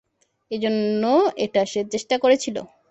এজন্য এটা সে চেষ্টা করেছিল।